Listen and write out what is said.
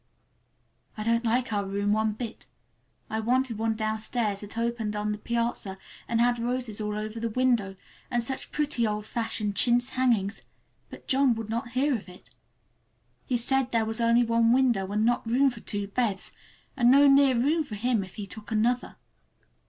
I don't like our room a bit. I wanted one downstairs that opened on the piazza and had roses all over the window, and such pretty old fashioned chintz hangings! but John would not hear of it. He said there was only one window and not room for two beds, and no near room for him if he took another.